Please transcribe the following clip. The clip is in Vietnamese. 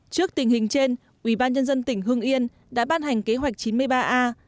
trước tình hình trên ủy ban nhân dân tỉnh hưng yên đã ban hành kế hoạch chín mươi ba a